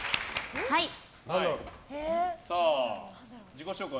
自己紹介